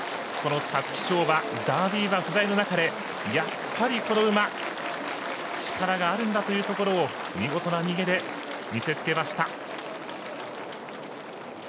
皐月賞馬、ダービー馬不在の中やっぱり、この馬力があるんだというところを見事な逃げで見せつけました。